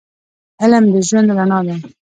علم د ژوند رڼا ده